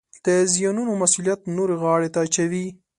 د زیانونو مسوولیت نورو غاړې ته اچوي